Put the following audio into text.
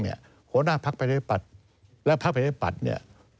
หัวหน้าภักดิ์ประชาธิปัตย์และภักดิ์ประชาธิปัตย์